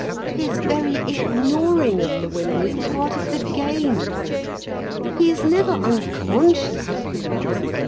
His very ignoring of the women is part of the game. He is never unconscious of them.